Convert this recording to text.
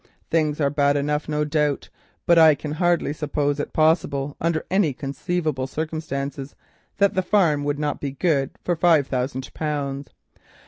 Things are bad enough, no doubt, but I can hardly suppose it possible under any conceivable circumstances that the farm would not be good for five thousand pounds.